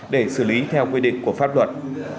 để xử lý theo quy định của pháp luật